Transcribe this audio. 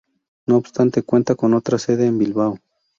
No obstante, cuenta con otra sede en Bilbao.